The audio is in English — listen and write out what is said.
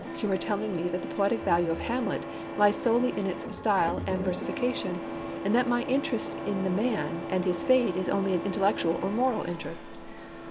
You are telling me that the poetic value of Hamlet lies solely in its style and versification, and that my interest in the man and his fate is only an intellectual or moral interest.